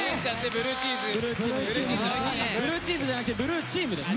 ブルーチーズじゃなくてブルーチームです。